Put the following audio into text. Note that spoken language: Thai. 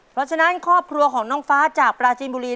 เพราะฉะนั้นครอบครัวของน้องฟ้าจากปราจีนบุรี